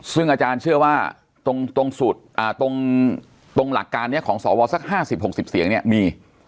ซึ่งอาจารย์เชื่อว่าตรงหลักการนี้ของสวสัก๕๐๖๐เสียงเนี่ยมี